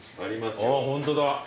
あっホントだ。